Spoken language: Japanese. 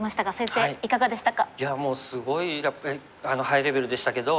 いやもうすごいやっぱりハイレベルでしたけど。